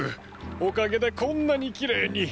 おかげでこんなにキレイに。